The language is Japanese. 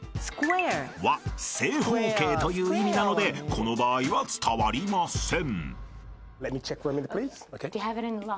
［という意味なのでこの場合は伝わりません］